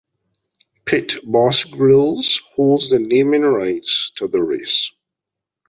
Pit Boss Grills holds the naming rights to the race.